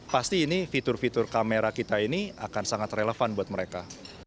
pasti ini fitur fitur kamera kita ini akan sangat relevan buat mereka